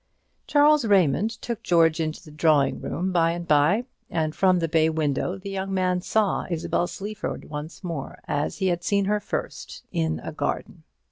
Charles Raymond took George into the drawing room by and by, and from the bay window the young man saw Isabel Sleaford once more, as he had seen her first, in a garden.